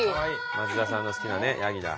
松田さんの好きなねヤギだ。